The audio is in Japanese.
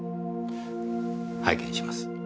拝見します。